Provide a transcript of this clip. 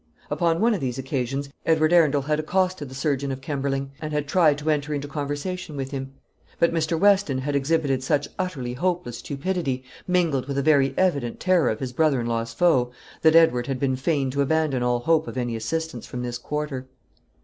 Upon one of these occasions Edward Arundel had accosted the surgeon of Kemberling, and had tried to enter into conversation with him. But Mr. Weston had exhibited such utterly hopeless stupidity, mingled with a very evident terror of his brother in law's foe, that Edward had been fain to abandon all hope of any assistance from this quarter.